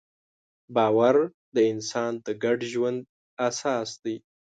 باور د انسان د ګډ ژوند اساس دی.